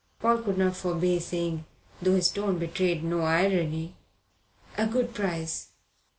Paul could not forbear saying, though his tone betrayed no irony: "A good price."